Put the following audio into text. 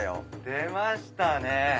出ましたね。